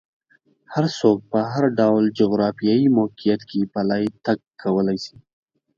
هر څوک په هر ډول جغرافیایي موقعیت کې پلی تګ کولی شي.